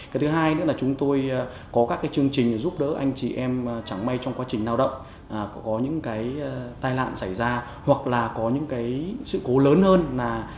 cái thứ hai nữa là chúng tôi có các cái chương trình giúp đỡ anh chị em chẳng may trong quá trình lao động có những cái tai nạn xảy ra hoặc là có những cái sự cố lớn hơn là